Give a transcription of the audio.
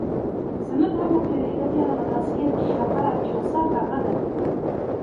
سنذهب في رحلتنا المدرسية إلى قلعة أوساكا غدًا.